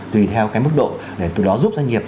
tùy theo cái mức độ để từ đó giúp doanh nghiệp